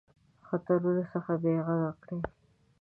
خطرونو څخه بېغمه کړي.